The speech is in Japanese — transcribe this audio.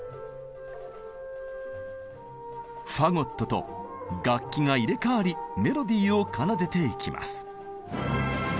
と楽器が入れ代わりメロディーを奏でていきます。